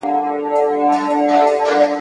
د اولس برخه یې ځانځاني سي ..